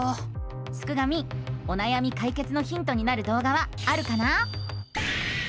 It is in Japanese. すくがミおなやみかいけつのヒントになるどう画はあるかな？